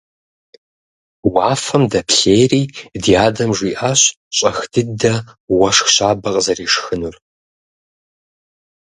Уафэм дэплъейри ди адэм жиӏащ щӏэх дыдэу уэшх щабэ къызэрешхынур.